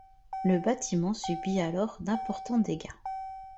Le bâtiment subit alors d'importants dégâts.